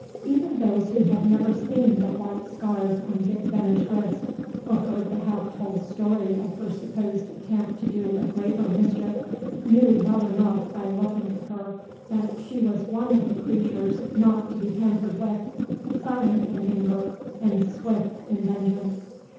Even those who had never seen the white scars on Dick Venner's wrist, or heard the half told story of her supposed attempt to do a graver mischief, knew well enough by looking at her that she was one of the creatures not to be tampered with, silent in anger and swift in vengeance.